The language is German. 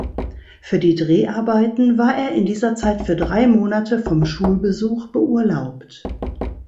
Für die Dreharbeiten war er in dieser Zeit für drei Monate vom Schulbesuch beurlaubt.